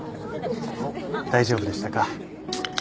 大丈夫でしたか？